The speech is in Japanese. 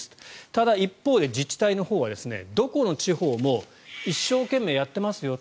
ただ、一方で自治体のほうはどこの地方も一生懸命やってますよ。